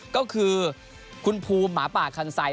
ก็คือคุณภูมิหมาป่าคันไซ